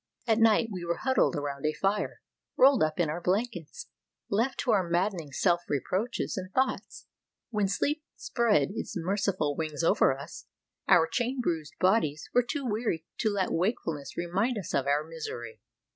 At night we were huddled around a fire, rolled up in our blankets, left to our maddening self reproaches and thoughts. When sleep spread its merciful wings over us, our chain bruised bodies were too weary to let wakefulness remind us of our misery.